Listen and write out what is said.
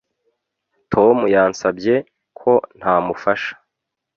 Tom yansabye ko ntamufasha